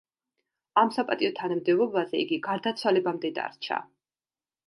ამ საპატიო თანამდებობაზე იგი გარდაცვალებამდე დარჩა.